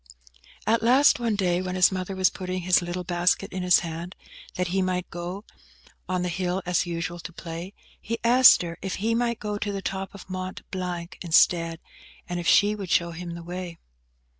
At last, one day, when his mother was putting his little basket in his hand, that he might go on the hill as usual to play, he asked her if he might go to the top of Mont Blanc instead, and if she would show him the way.